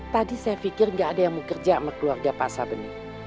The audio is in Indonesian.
tadi saya pikir nggak ada yang mau kerja sama keluarga pak sabeni